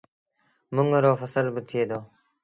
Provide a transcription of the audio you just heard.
منڱ رو ڦسل با ٿئي دو